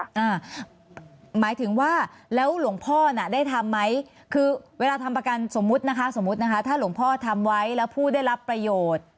หมายถึงว่าแล้วหลวงพ่อน่ะได้ทำไหมคือเวลาทำประกันสมมุตินะคะสมมุตินะคะถ้าหลวงพ่อทำไว้แล้วผู้ได้รับประโยชน์